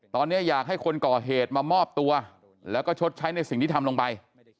ตอนนี้อยากให้คนก่อเหตุมามอบตัวแล้วก็ชดใช้ในสิ่งที่ทำลงไป